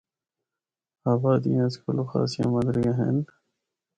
آبادیاں اس کولو خاصیاں مندریاں ہن۔